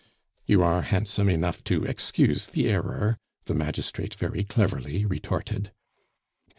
"You are handsome enough to excuse the error," the magistrate very cleverly retorted.